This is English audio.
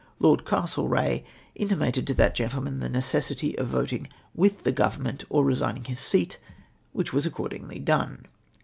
Lord Castlereagh intimated to that gentleman the necessity of voting with the Government, or resigning his seat, which was accordingly done.